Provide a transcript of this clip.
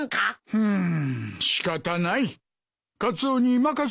うん？